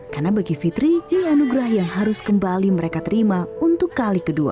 karena bagi fitri ini anugerah yang harus kembali mereka terima untuk kali kedua